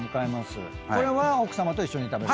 これは奥さまと一緒に食べる？